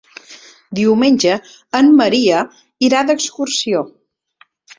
Diumenge en Maria irà d'excursió.